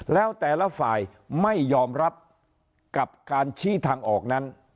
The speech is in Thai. แล้วแต่ละฝ่ายไม่ยอมรับกับการชี้ทางออกนั้น